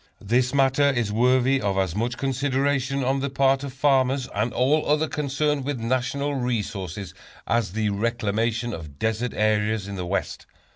This matter is worthy of as much consideration on the part of farmers, and all others concerned with national resources, as the reclamation of desert areas in the West.